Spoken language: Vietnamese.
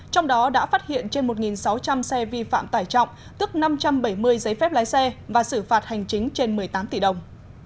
trong đó đã phát hiện trên một sáu trăm linh xe vi phạm tải trọng tức năm trăm bảy mươi giấy phép lái xe và xử phạt hành chính trên một mươi tám tỷ đồng